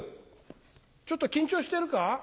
ちょっと緊張してるか？